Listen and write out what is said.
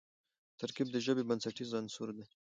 ترکیب د ژبي بنسټیز عنصر دئ.